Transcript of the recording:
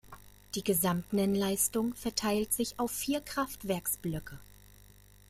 Die Gesamtnennleistung verteilt sich auf vier Kraftwerksblöcke.